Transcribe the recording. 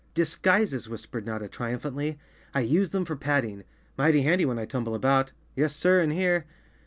"Disguises!" whispered Notta triumphantly. "I use them for padding. Mighty handy when I tumble about. Yes, sir, in here."